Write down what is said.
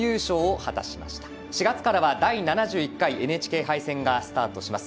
４月からは第７１回ＮＨＫ杯戦がスタートします。